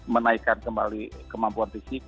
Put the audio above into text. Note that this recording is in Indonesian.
mereka sudah menaikkan kemampuan fisik